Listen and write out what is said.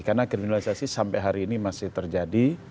karena kriminalisasi sampai hari ini masih terjadi